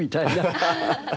ハハハハハ！